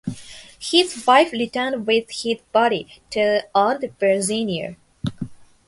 His wife returned with his body to Old Virginia.